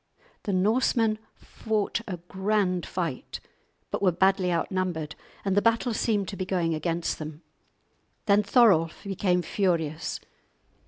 The Norsemen fought a grand fight, but were badly outnumbered, and the battle seemed to be going against them. Then Thorolf became furious.